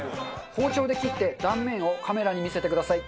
包丁で切って断面をカメラに見せてください。